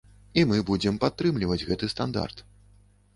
І мы будзем падтрымліваць гэты стандарт.